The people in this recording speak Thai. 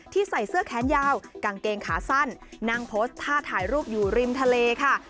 ใส่เสื้อแขนยาวกางเกงขาสั้นนั่งโพสต์ท่าถ่ายรูปอยู่ริมทะเลค่ะ